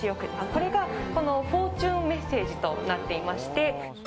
これがフォーチュンメッセージとなっていまして。